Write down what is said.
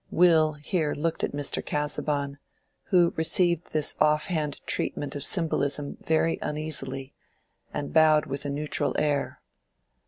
Will here looked at Mr. Casaubon, who received this offhand treatment of symbolism very uneasily, and bowed with a neutral air.